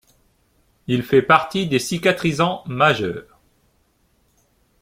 Il fait partie des cicatrisants majeurs.